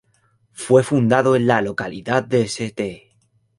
Fue fundado en la localidad de St.